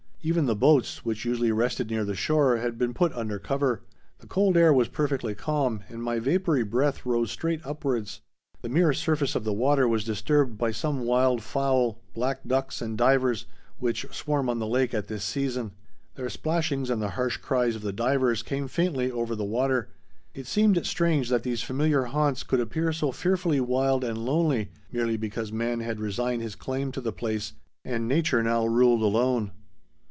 Even the boats, which usually rested near the shore, had been put under cover. The cold air was perfectly calm, and my vapory breath rose straight upwards. The mirror surface of the water was disturbed by some wild fowl—black ducks and divers—which swarm on the lake at this season. Their splashings, and the harsh cries of the divers came faintly over the water. It seemed strange that these familiar haunts could appear so fearfully wild and lonely merely because man had resigned his claim to the place and nature now ruled alone.